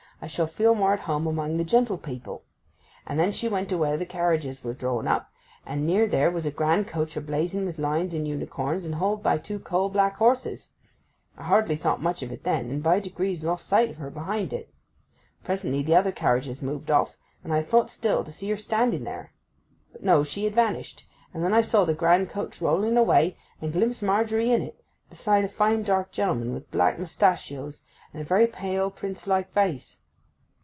I shall feel more at home among the gentlepeople." And then she went to where the carriages were drawn up, and near her there was a grand coach, a blazing with lions and unicorns, and hauled by two coal black horses. I hardly thought much of it then, and by degrees lost sight of her behind it. Presently the other carriages moved off, and I thought still to see her standing there. But no, she had vanished; and then I saw the grand coach rolling away, and glimpsed Margery in it, beside a fine dark gentleman with black mustachios, and a very pale prince like face.